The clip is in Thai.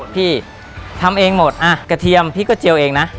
พี่ทำเองหมดอ่ะกระเทียมพี่ก็เจียวเองนะ